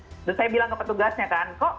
terus saya bilang ke petugasnya kan kok